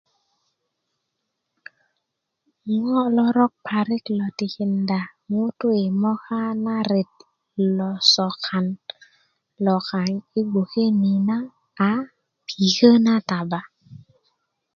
ŋo lorok parik lo tikinda ŋutu' yi moka na ret lo sokan lo kaŋ yi gboke ni na a pikö na taba